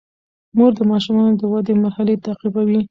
مور د ماشومانو د ودې مرحلې تعقیبوي.